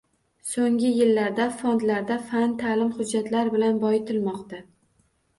So‘nggi yillarda fondlarda fan, ta’lim hujjatlar bilan boyitilmoqda.